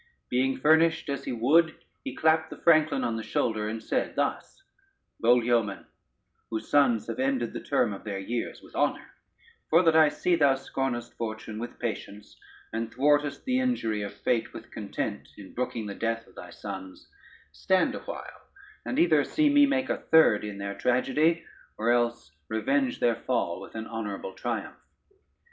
Being furnished as he would, he clapped the franklin on the shoulder and said thus: "Bold yeoman, whose sons have ended the term of their years with honor, for that I see thou scornest fortune with patience, and thwartest the injury of fate with content in brooking the death of thy sons, stand awhile, and either see me make a third in their tragedy, or else revenge their fall with an honorable triumph."